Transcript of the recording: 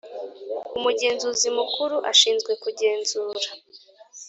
Umugenzuzi Mukuru ashinzwe kugenzura